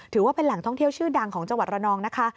ถือว่าเป็นแหล่งท่องเที่ยวชื่อดังของจังหวัดระนองนะคะ